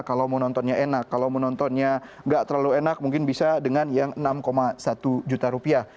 kalau mau nontonnya enak kalau mau nontonnya nggak terlalu enak mungkin bisa dengan yang enam satu juta rupiah